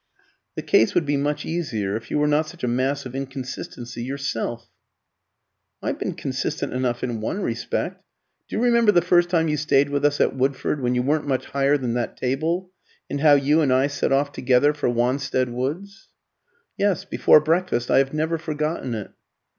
"The case would be much easier if you were not such a mass of inconsistency yourself." "I've been consistent enough in one respect. Do you remember the first time you stayed with us at Woodford, when you weren't much higher than that table, and how you and I set off together for Wanstead Woods?" "Yes before breakfast. I have never forgotten it."